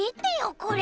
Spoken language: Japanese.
これ。